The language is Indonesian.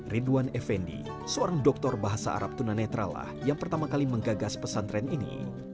ridwan effendi seorang doktor bahasa arab tunanetralah yang pertama kali menggagas pesantren ini